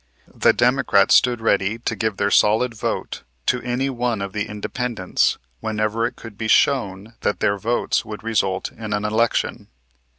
The Democrats stood ready to give their solid vote to any one of the Independents whenever it could be shown that their votes would result in an election.